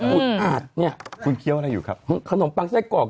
แล้วกูทานียวอะไรอยู่ครับหรือขนมปังไส้กอก